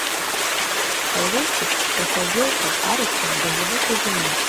Паўлоўскі прасядзеў пад арыштам да глыбокай зімы.